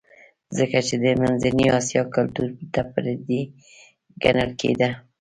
ځکه چې د منځنۍ اسیا کلتور ته پردی ګڼل کېده